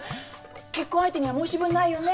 結婚相手には申し分ないよね。